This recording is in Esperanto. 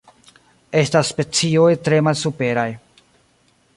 Estas specioj tre malsuperaj.